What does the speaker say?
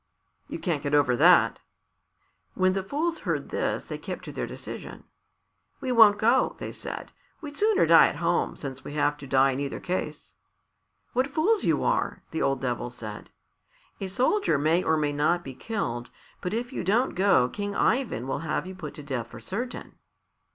"You can't get over that." When the fools heard this they kept to their decision. "We won't go," they said. "We'd sooner die at home since we have to die in either case." "What fools you are!" the old Devil said. "A soldier may or may not be killed, but if you don't go King Ivan will have you put to death for certain."